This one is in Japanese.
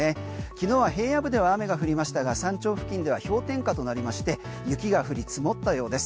昨日は平野部では雨が降りましたが山頂付近では氷点下となりまして雪が降り積もったようです。